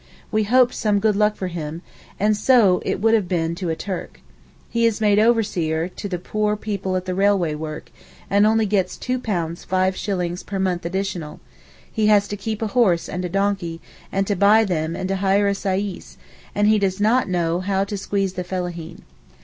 We hoped some good luck for him, and so it would have been to a Turk. He is made overseer over the poor people at the railway work, and only gets two pounds five shillings per month additional, he has to keep a horse and a donkey, and to buy them and to hire a sais, and he does not know how to squeeze the fellaheen.